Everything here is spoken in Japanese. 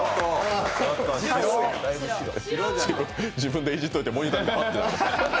自分でいじっといて、モニター見て。